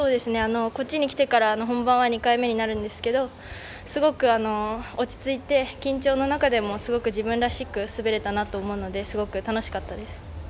こっちに来てから本番は２回目になるんですけどすごく落ち着いて緊張の中でもすごく自分らしく滑れたなと思うので楽しかったです。